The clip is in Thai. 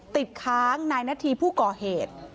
ติดค้างนายนาธีผู้ก่อเหตุ